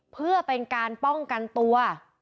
เพื่อเป็นการป้องกันตัว